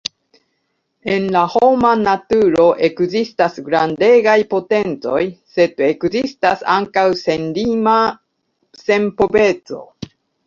En la homa naturo ekzistas grandegaj potencoj, sed ekzistas ankaŭ senlima senpoveco.